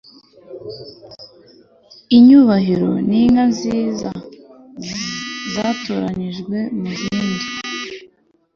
inyubahiro n'inka nziza zatoranyijwe mu zindi